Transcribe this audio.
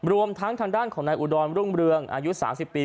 รวมทั้งทางด้านของคุณอุดรรย์รุ่งบริวิทชาติ๓๐ปี